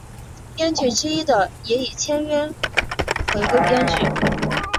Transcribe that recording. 编剧之一的也已签约回归编剧。